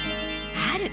春。